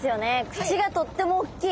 口がとっても大きい。